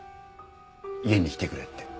家に来てくれって。